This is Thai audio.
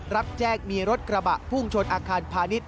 รับแจ้งมีรถกระบะพุ่งชนอาคารพาณิชย